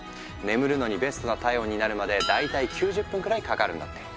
眠るのにベストな体温になるまで大体９０分くらいかかるんだって。